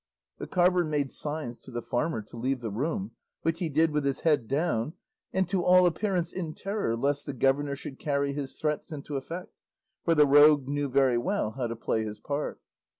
The carver made signs to the farmer to leave the room, which he did with his head down, and to all appearance in terror lest the governor should carry his threats into effect, for the rogue knew very well how to play his part.